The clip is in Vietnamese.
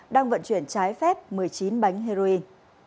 đang vận chuyển trái phép một mươi chín bánh heroin